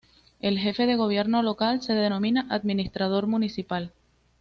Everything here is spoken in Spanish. El jefe de gobierno local se denomina Administrador Municipal.